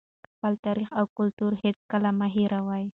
خپل تاریخ او کلتور هېڅکله مه هېروئ.